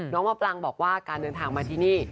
มะปรังบอกว่าการเดินทางมาที่นี่